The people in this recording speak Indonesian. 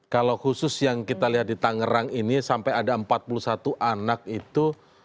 kalau khusus yang kita lihat di tangerang ini sampai ada empat puluh satu anak itu